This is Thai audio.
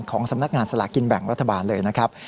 สำนักงานสลากินแบ่งรัฐบาลเลยนะครับ